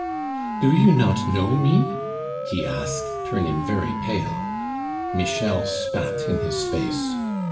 "Do you not know me?" he asked, turning very pale. Michel spat in his face.